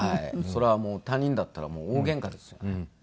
そりゃもう他人だったら大ゲンカですよね。